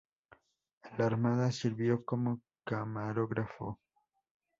En la Armada sirvió como camarógrafo.